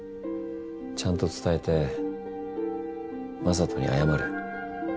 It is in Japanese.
ちゃんと伝えて眞人に謝る。